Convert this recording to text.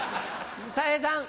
たい平さん。